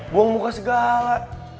buang muka segala